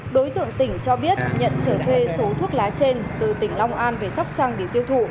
đối tượng tỉnh cho biết nhận trở thuê số thuốc lá trên từ tỉnh long an về sóc trăng để tiêu thụ